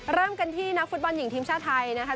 เริ่มกันที่นักฟุตบอลหญิงทีมชาติไทยนะคะ